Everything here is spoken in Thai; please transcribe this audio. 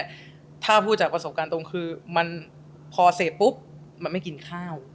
มาถ้าพูดจากอุปกรณิตคือมันพอเศษปุ๊บมันไม่กินข้าว